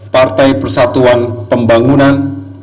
partai persatuan pembangunan